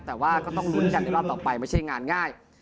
แต่ว่าก็ต้องลุ้นกันในรอบต่อไปไม่ใช่งานง่าย